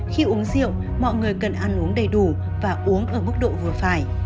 khi uống rượu mọi người cần ăn uống đầy đủ và uống ở mức độ vừa phải